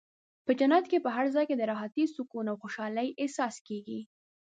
په جنت کې په هر ځای کې د راحتۍ، سکون او خوشحالۍ احساس کېږي.